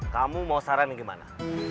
kamu mau saran yang gimana